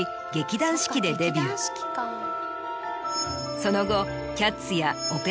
その後。